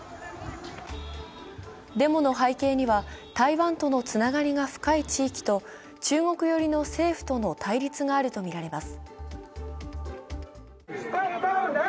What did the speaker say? デモの背景には、台湾とのつながりが深い地域と中国寄りの政府との対立があるとみられます。